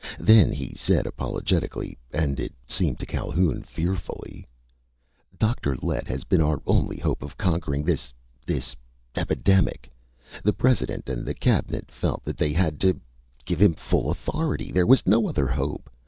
Then he said apologetically and it seemed to Calhoun fearfully: "Dr. Lett has been our only hope of conquering this ... this epidemic. The President and the Cabinet felt that they had to ... give him full authority. There was no other hope!